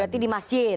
berarti di masjid